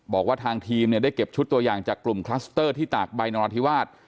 บอกว่าทางทีมเนี่ยได้เก็บชุดตัวอย่างจากกลุ่มคลัสเตอร์ที่ตากใบนราธิวาส